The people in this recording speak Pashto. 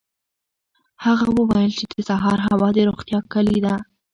هغه وویل چې د سهار هوا د روغتیا کلي ده.